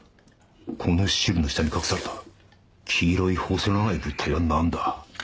この汁の下に隠された黄色い細長い物体は何だ？